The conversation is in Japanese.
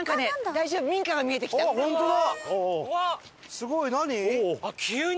すごい！何？